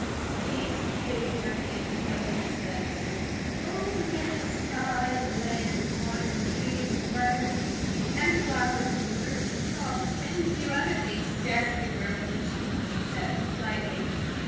Kate waved her hand toward the distance. "Oh, merely sky, and land, and water, and trees, and birds, and flowers, and fruit, and crops, and a few other things scarcely worth mentioning," she said, lightly.